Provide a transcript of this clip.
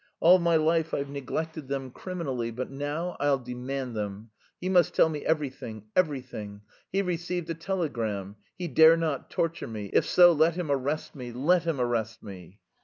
All my life I've neglected them criminally... but now I'll demand them. He must tell me everything everything. He received a telegram. He dare not torture me; if so, let him arrest me, let him arrest me!"